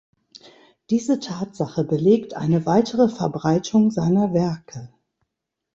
Diese Tatsache belegt eine weitere Verbreitung seiner Werke.